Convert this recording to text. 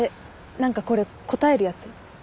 何かこれ答えるやつ？